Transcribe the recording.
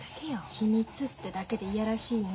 秘密ってだけで嫌らしいの。